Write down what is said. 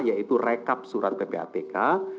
yaitu rekap surat ppatk